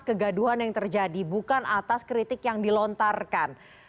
dan kegaduhan yang terjadi bukan atas kritik yang dilontarkan